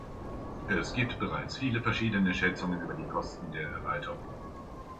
Es gibt bereits viele verschiedene Schätzungen über die Kosten der Erweiterung.